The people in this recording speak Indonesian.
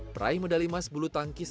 peraik medali mas bulu tangkis